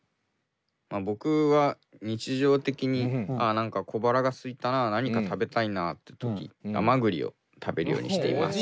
僕は日常的に何か小腹がすいたな何か食べたいなって時甘栗を食べるようにしています。